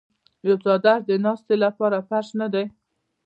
آیا څادر د ناستې لپاره فرش نه دی؟